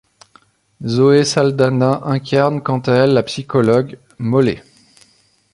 Zoe Saldana incarne quant à elle la psychologue, Mollé.